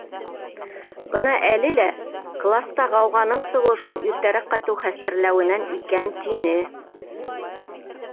Бына әле лә класта ғауғаның сығыуы шул иртәрәк ҡайтыу хәстәрләүенән икән тине.